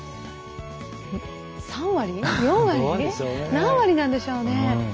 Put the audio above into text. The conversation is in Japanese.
何割なんでしょうね？